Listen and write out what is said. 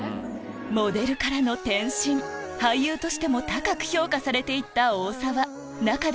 モデルからの転身俳優としても高く評価されていった